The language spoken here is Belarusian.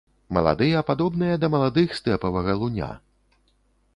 Маладыя падобныя да маладых стэпавага луня.